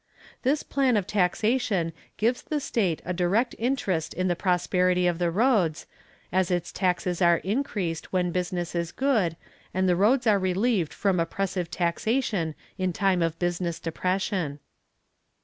This plan of taxation gives the state a direct interest in the prosperity of the roads, as its taxes are increased when business is good and the roads are relieved from oppressive taxation in time of business depression.